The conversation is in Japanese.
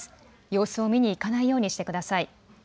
様子を見に行かないようにしてください。